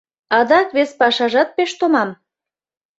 Адак вес пашажат пеш томам.